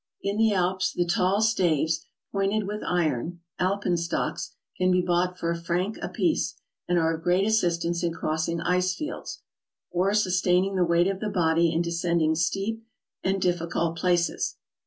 In the Alps the tall staves, pointed with iron (Alpenstocks), can be bought for a franc apiece, and are of great assistance in crossing ice fields, or sustaining the weight of the body in descending steep and difficult places.